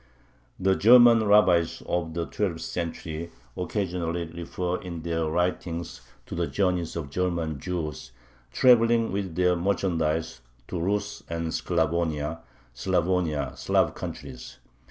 The German rabbis of the twelfth century occasionally refer in their writings to the journeys of German Jews traveling with their merchandise to "Russ" and "Sclavonia" (= Slavonia, Slav countries).